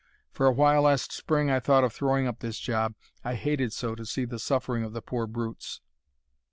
For a while last Spring I thought of throwing up this job, I hated so to see the suffering of the poor brutes."